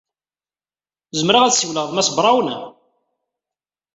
Zemreɣ ad ssiwleɣ ed Mass Brown?